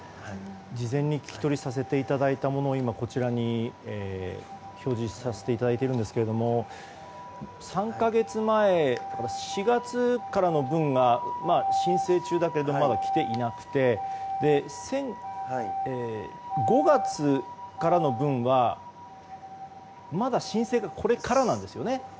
事前に聞き取りさせていただいたものをこちらに表示させていただいているんですが３か月前、４月からの分が申請中だけれどもまだきていなくて５月からの分はまだ申請がこれからなんですよね。